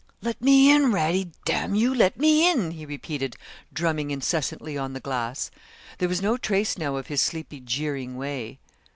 'Let me in, Radie; d you, let me in,' he repeated, drumming incessantly on the glass. There was no trace now of his sleepy jeering way.